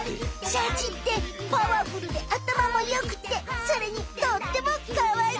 シャチってパワフルであたまもよくてそれにとってもかわいかった。